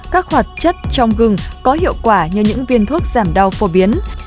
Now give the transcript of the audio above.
các hoạt chất trong gừng có hiệu quả như những viên thuốc giảm đau phổ biến